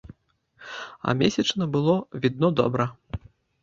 А месячна было, відно добра.